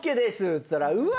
っつったらうわ